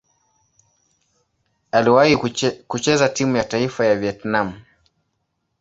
Aliwahi kucheza timu ya taifa ya Vietnam.